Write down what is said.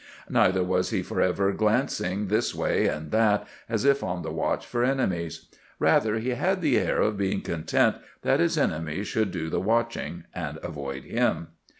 Neither was he for ever glancing this way and that, as if on the watch for enemies. Rather he had the air of being content that his enemies should do the watching—and avoid him.